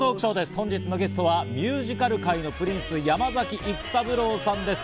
本日のゲストはミュージカル界のプリンス・山崎育三郎さんです。